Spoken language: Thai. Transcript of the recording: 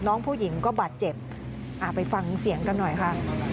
น้องผู้หญิงก็บาดเจ็บไปฟังเสียงกันหน่อยค่ะ